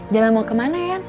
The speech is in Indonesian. jalan mau kemana yan